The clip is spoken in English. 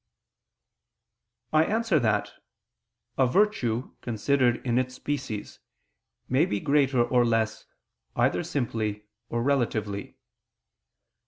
I answer that, A virtue considered in its species may be greater or less, either simply or relatively.